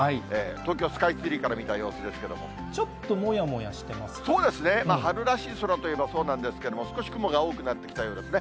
東京スカイツリーから見た様子ですけれども、そうですね、春らしい空といえばそうなんですけれども、少し雲が多くなってきたようですね。